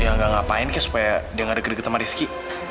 ya gak ngapain kayak supaya dia gak deg deg ke teman rizky